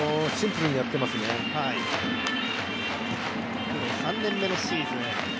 プロ３年目のシーズン。